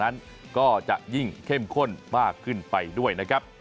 นั้นก็จะยิ่งเข้มข้นมากขึ้นไปด้วยนะครับ